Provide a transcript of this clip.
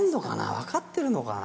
分かってるのかな？